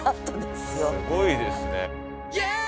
すごいですね。